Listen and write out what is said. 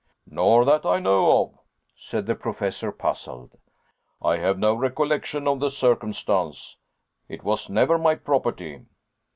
"Not that I know of," said the Professor, puzzled. "I have no recollection of the circumstance. It was never my property."